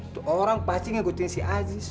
tuh orang pasti ngikutin si aziz